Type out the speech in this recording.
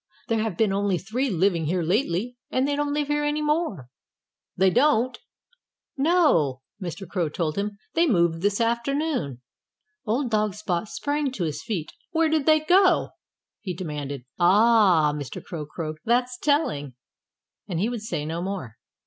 "There have been only three living here lately. And they don't live here any more." "They don't!" Spot cried. "No!" Mr. Crow told him. "They moved this afternoon." Old dog Spot sprang to his feet. "Where did they go?" he demanded. "Ah!" Mr. Crow croaked. "That's telling." And he would say no more.